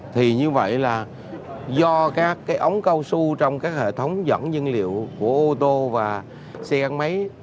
thì như vậy là do các cái ống cao su trong các hệ thống dẫn nhiên liệu của ô tô và xe gắn máy